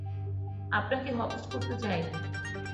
আপনাকে হতাশ করতে চাইনি।